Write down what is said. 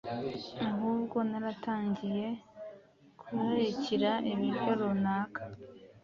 ahubwo naratangiye kurarikira ibiryo runaka;